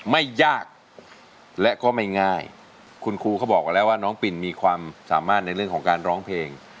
ไม่ยากและก็ไม่ง่ายคุณครูเขาบอกไว้แล้วว่าน้องปินมีความสามารถในเรื่องของการร้องเพลง